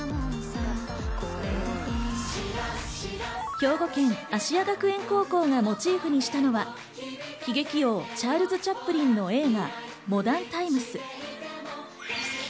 兵庫県芦屋学園高校がモチーフにしたのは喜劇王チャールズ・チャップリンの映画『モダン・タイムス』。